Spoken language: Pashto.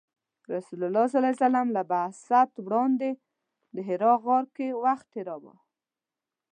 رسول الله ﷺ له بعثت وړاندې د حرا غار کې وخت تیراوه .